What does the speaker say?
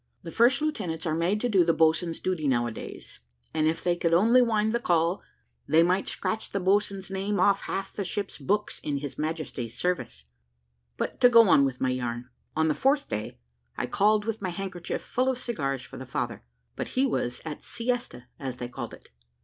The first lieutenants are made to do the boatswains' duty now a days, and if they could only wind the call, they might scratch the boatswain's name off half the ships' books in His Majesty's service. But to go on with my yarn. On the fourth day, I called with my handkerchief full of cigars for the father, but he was at siesta, as they called it.